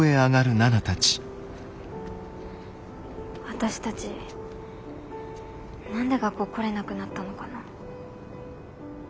私たち何で学校来れなくなったのかな。